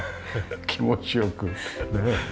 気持ちよく。